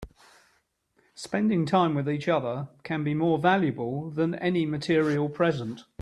Spending time with each other can be more valuable than any material present.